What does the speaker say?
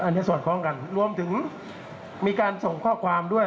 อันนี้สอดคล้องกันรวมถึงมีการส่งข้อความด้วย